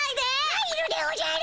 入るでおじゃる。